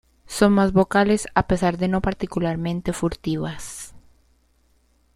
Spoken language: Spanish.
Son más vocales, a pesar de no particularmente furtivas.